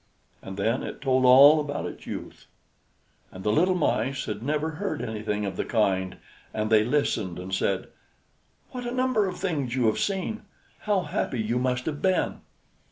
And then it told all about its youth. And the little Mice had never heard anything of the kind; and they listened and said: "What a number of things you have seen! How happy you must have been!"